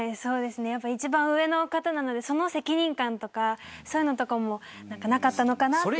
一番上の方なのでその責任感とかそういうのもなかったのかなと。